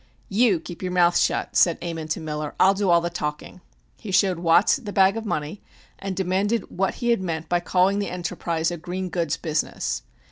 "You keep your mouth shut," said Ammon to Miller. "I'll do all the talking." He showed Watts the bag of money, and demanded what he had meant by calling the enterprise a "green goods business."